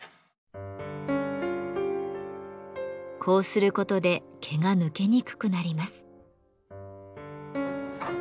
こうすることで毛が抜けにくくなります。